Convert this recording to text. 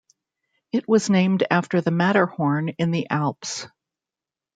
It was named after the Matterhorn in the Alps.